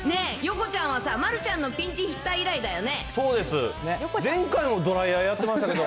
ねえ、横ちゃんはさ、丸ちゃんのピンチヒッター以来だよね。